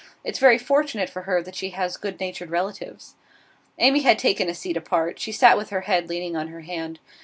It's very fortunate for her that she has good natured relatives.' Amy had taken a seat apart. She sat with her head leaning on her hand.